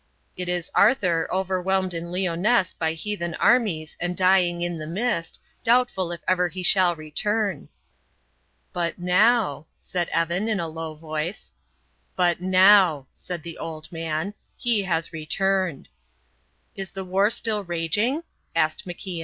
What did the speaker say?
It is Arthur, overwhelmed in Lyonesse by heathen armies and dying in the mist, doubtful if ever he shall return." "But now " said Evan, in a low voice. "But now!" said the old man; "he has returned." "Is the war still raging?" asked MacIan.